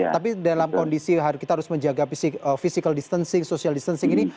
tapi dalam kondisi kita harus menjaga physical distancing social distancing ini